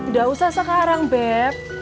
gak usah sekarang beb